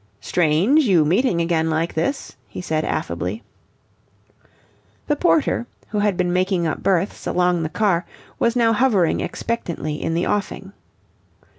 "Strange you meeting again like this," he said affably. The porter, who had been making up berths along the car, was now hovering expectantly in the offing.